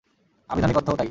আভিধানিক অর্থও তাই।